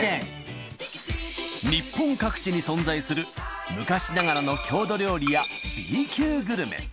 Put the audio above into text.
日本各地に存在する昔ながらの郷土料理やＢ級グルメ。